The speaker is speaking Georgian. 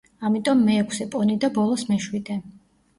ამიტომ მეექვსე პონი და ბოლოს მეშვიდე.